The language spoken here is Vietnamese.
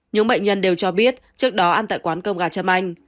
những bệnh nhân đều cho biết trước đó ăn tại quán cơm gà châm anh